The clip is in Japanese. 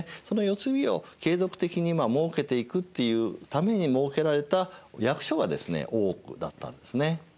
その世継ぎを継続的にもうけていくっていうために設けられた役所がですね大奥だったんですね。